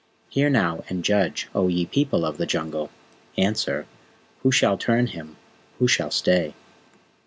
Hear, now, and judge, O ye People of the Jungle, Answer, who shall turn him who shall stay?